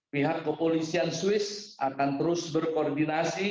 pihak kepolisian swiss akan terus berkoordinasi